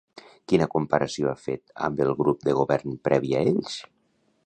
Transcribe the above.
Quina comparació ha fet amb el grup de govern previ a ells?